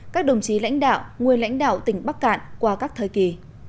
các đồng chí lãnh đạo nguyên lãnh đạo tỉnh bắc cạn qua các thời kỳ